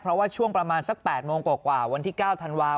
เพราะว่าช่วงประมาณสัก๘โมงกว่าวันที่๙ธันวาค